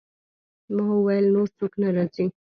ما وویل: نور څوک نه راځي؟